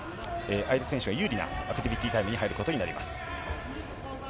相手選手が有利なアクティビティータイムに入ることになります。